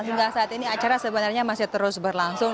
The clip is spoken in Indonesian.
hingga saat ini acara sebenarnya masih terus berlangsung